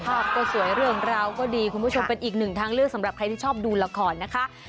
ก็สวยเรื่องราวก็ดีคุณผู้ชมเป็นอีกหนึ่งทางเลือกสำหรับใครที่ชอบดูละครนะคะ